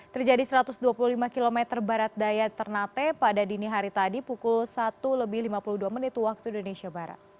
terjadi satu ratus dua puluh lima km barat daya ternate pada dini hari tadi pukul satu lebih lima puluh dua menit waktu indonesia barat